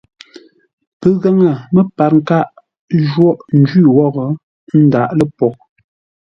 Pəgaŋə məpar kâʼ jôghʼ njwí wóghʼ ndáʼ lə poghʼ.